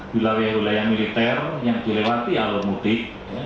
wilayah wilayah militer yang dilewati alur mudik